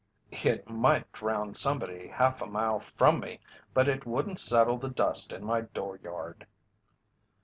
"It might drown somebody half a mile from me but it wouldn't settle the dust in my dooryard."